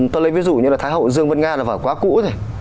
tôi lấy ví dụ như là thái hậu dương vân nga là vở quá cũ rồi